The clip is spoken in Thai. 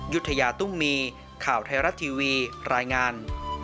ยุธยาตุ้มมีข่าวไทยรัฐทีวีรายงาน